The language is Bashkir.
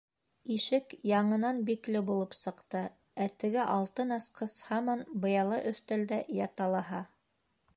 Ишек яңынан бикле булып сыҡты, ә теге алтын асҡыс һаман быяла өҫтәлдә ята лаһа.